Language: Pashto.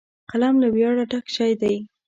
قلم له ویاړه ډک شی دی